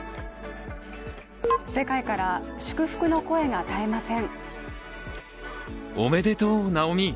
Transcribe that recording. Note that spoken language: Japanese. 世界から祝福の声が絶えません。